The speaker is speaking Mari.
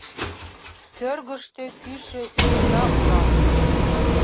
Кӧргыштӧ кӱшӧ ӱдырда улам.